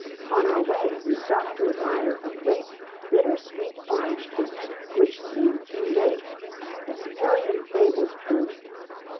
On our way we stopped to admire a great bitter sweet orange tree, which seemed to make "Hesperian fables true."